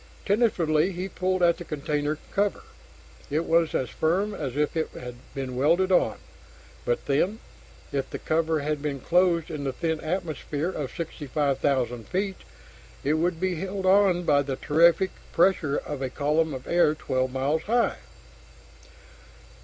Tentatively he pulled at the container cover, it was as firm as if it had been welded on. But then, if the cover had been closed in the thin atmosphere of 65,000 feet, it would be held on by the terrific pressure of a column of air twelve miles high.